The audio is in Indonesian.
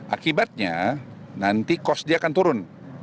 akibatnya nanti cost dia akan turun